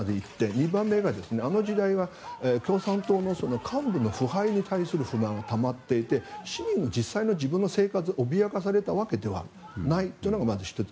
２番目があの時代は共産党の幹部の腐敗に対する不満がたまっていて市民の実際の自分の生活が脅かされたわけではないというのがまず１つ。